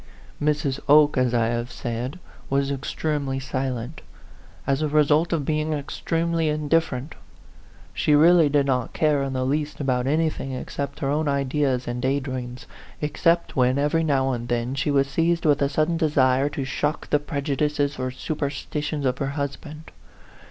Mrs. Oke, as I have said, was extremely silent, as a result of being extremely indif ferent. She really did not care in the least about anything except her own ideas and day dreams, except when, every now and then, she was seized with a sudden desire to shock the prejudices or superstitions of her husband.